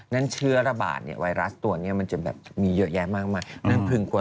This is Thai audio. นั้นวัยรัสตัวมันจะมีเยอะแยะมาก